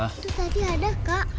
itu tadi ada kak